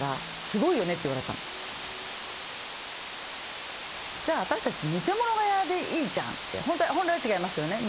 「すごいよね」って言われたの「じゃ私達見世物小屋でいいじゃん」って本来は違いますけどね